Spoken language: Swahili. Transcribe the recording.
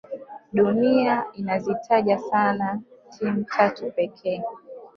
dunia inazitaja sana timu tatu pekee